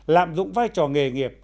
lạm dụng vai trò nghề nghiệp